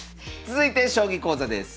続いて将棋講座です。